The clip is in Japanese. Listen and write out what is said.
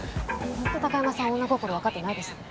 ほんと貴山さん女心わかってないですね。